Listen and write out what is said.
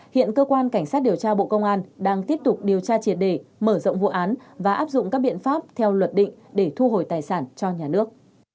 hiện cơ quan cảnh sát điều tra bộ công an đang tiếp tục điều tra triệt đề mở rộng vụ án và áp dụng các biện pháp theo luật định để thu hồi tài sản cho nhà nước